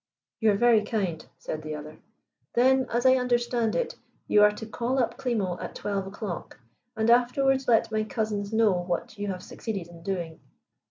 "You are very kind," said the other. "Then, as I understand it, you are to call up Klimo at twelve o'clock, and afterwards let my cousins know what you have succeeded in doing.